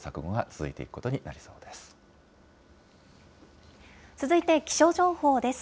続いて気象情報です。